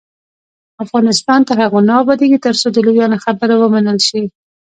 افغانستان تر هغو نه ابادیږي، ترڅو د لویانو خبره ومنل شي.